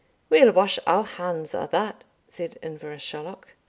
"We'll wash our hands o' that," said Inverashalloch.